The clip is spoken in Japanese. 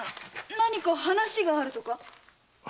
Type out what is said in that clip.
何か話があるとか？